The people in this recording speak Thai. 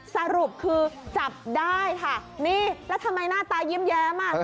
สรุปคือจับได้ค่ะนี่แล้วทำไมหน้าตายิ้มอ่ะ